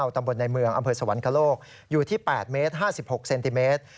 ตำบลในเมืองอำเภอสวรรคโลกอยู่ที่๘เมตร๕๖เซนติเมตร